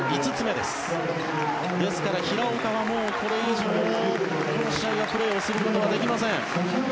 ですから平岡はもうこれ以上この試合はプレーすることができません。